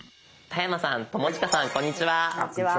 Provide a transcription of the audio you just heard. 田山さん友近さんこんにちは。